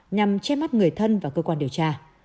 nhằm che mắt người thân và cơ quan điều tra